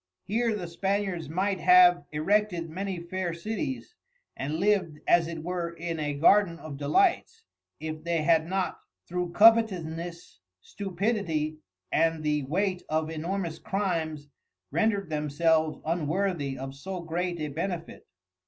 Here the Spaniards might have Erected many fair Cities, and liv'd as it were in a Garden of Delights, if they had not, through Covetousness, Stupidity, and the weight of Enormous Crimes rendred themselves unworthy of so great a Benefit.